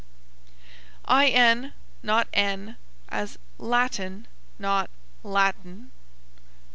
in, not n, as Latin, not Latn.